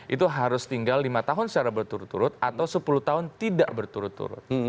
itu harus tinggal lima tahun secara berturut turut atau sepuluh tahun tidak berturut turut